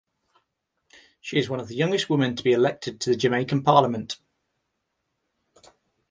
She is one of the youngest women to be elected to the Jamaican Parliament.